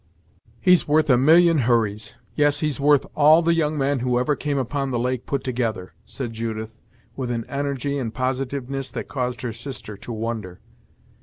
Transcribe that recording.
"He's worth a million Hurrys! yes, he's worth all the young men who ever came upon the lake put together," said Judith, with an energy and positiveness that caused her sister to wonder.